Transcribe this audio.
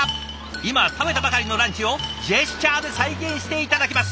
今食べたばかりのランチをジェスチャーで再現して頂きます。